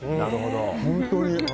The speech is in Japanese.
本当に！